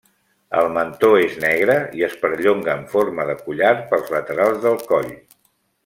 El mentó és negre i es perllonga en forma de collar pels laterals del coll.